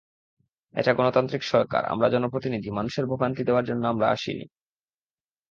এটা গণতান্ত্রিক সরকার, আমরা জনপ্রতিনিধি, মানুষের ভোগান্তি দেওয়ার জন্য আমরা আসিনি।